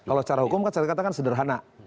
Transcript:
kalau secara hukum kan sederhana